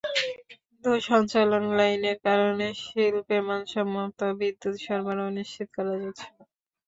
কিন্তু সঞ্চালন লাইনের কারণে শিল্পে মানসম্মত বিদ্যুৎ সরবরাহ নিশ্চিত করা যাচ্ছে না।